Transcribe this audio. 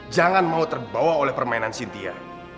jangan mau terbawa oleh permainan sintia